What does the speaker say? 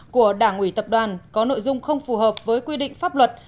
của đảng ủy tập đoàn có nội dung không phù hợp với quy định pháp luật